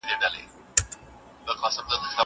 زه پرون د کتابتون لپاره کار کوم!!